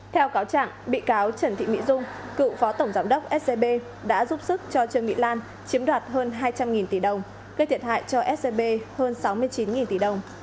theo cáo trạng bị cáo trần thị mỹ dung cựu phó tổng giám đốc scb đã giúp sức cho trương mỹ lan chiếm đoạt hơn hai trăm linh tỷ đồng gây thiệt hại cho scb hơn sáu mươi chín tỷ đồng